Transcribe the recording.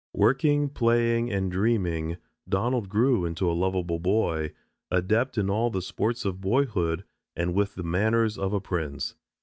Working, playing, and dreaming, Donald grew into a lovable boy, adept in all of the sports of boyhood and with the manners of a prince.